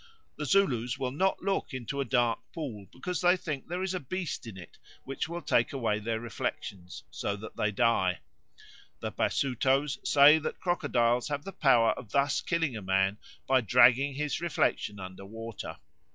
The Zulus will not look into a dark pool because they think there is a beast in it which will take away their reflections, so that they die. The Basutos say that crocodiles have the power of thus killing a man by dragging his reflection under water.